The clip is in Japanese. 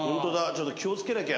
ちょっと気を付けなきゃ。